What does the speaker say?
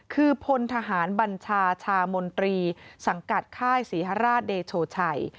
คือพลทหารบัญชาชามนตรีสังกัดค่ายศรีฮราชเดโชชัย